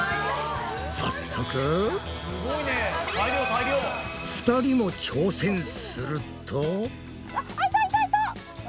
早速２人も挑戦すると。